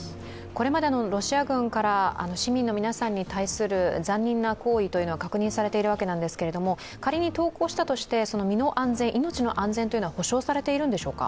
これまでロシア軍から市民の皆さんに対する残忍な行為は確認されているわけですが、仮に投降したとして、身の安全命の安全というは保証されているんですしょうか？